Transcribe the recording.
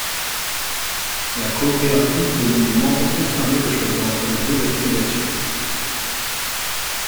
La coopérative demande aux membres concernés de choisir entre les deux affiliations.